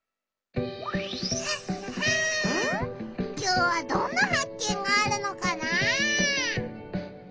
きょうはどんなはっ見があるのかな？